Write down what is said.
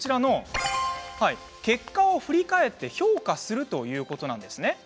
結果を振り返って評価するということなんです。